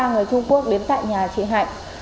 ba người trung quốc đến tại nhà chị hạnh